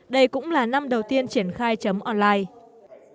đây cũng là năm đầu tiên triển khai chấm online